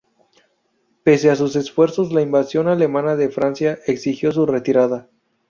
Pese a sus esfuerzos, la invasión alemana de Francia exigió su retirada.